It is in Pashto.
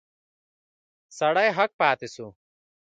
سړی هک پاته شو.